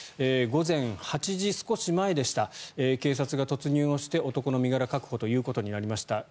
午前８時少し前でした警察が突入をして男の身柄確保ということになりました。